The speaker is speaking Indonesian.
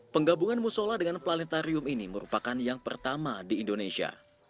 penggabungan musola dengan planetarium ini merupakan yang pertama di indonesia